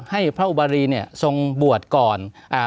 ให้พระอุบารีเนี่ยทรงบวชก่อน